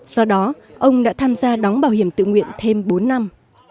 do đó ông đã tham gia đóng bảo hiểm tự nguyện thêm bốn năm